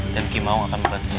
dan kimau akan membantunya